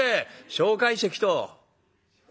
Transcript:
蒋介石と。